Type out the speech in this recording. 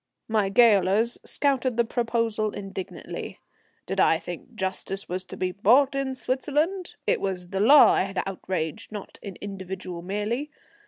My gaolers scouted the proposal indignantly. Did I think justice was to be bought in Switzerland? It was the law I had outraged, not an individual merely.